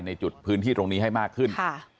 ในจุดพื้นที่ตรงนี้ให้มากขึ้น